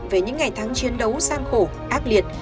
về những ngày tháng chiến đấu gian khổ ác liệt